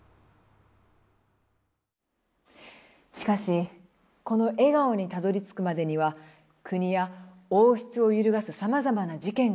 しかしこの笑顔にたどりつくまでには国や王室を揺るがすさまざまな事件がありました。